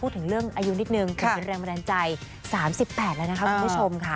ถึงเรื่องอายุนิดนึงเป็นแรงแบรนด์ใจ๓๘แล้วนะครับคุณผู้ชมค่ะ